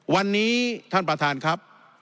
วันนี้ท่านประธานครับ